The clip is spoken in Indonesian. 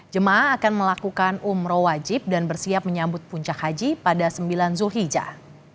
jemaah akan melakukan umroh wajib dan bersiap menyambut puncak haji pada sembilan zulhijjah